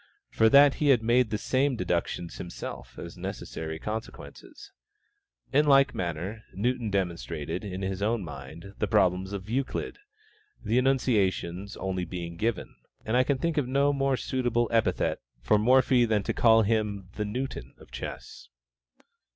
for that he had made the same deductions himself, as necessary consequences. In like manner, Newton demonstrated, in his own mind, the problems of Euclid, the enunciations only being given; and I can think of no more suitable epithet for Morphy than to call him "the Newton of Chess."